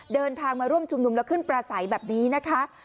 เดินทางมาร่วมชุมนุมแล้วขึ้นประสัยแบบนี้นะคะ